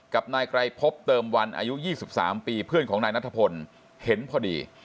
กับนายไกรพบเติมวันอายุ๒๓ปีเพื่อนของนายนัทพลเห็นพอดี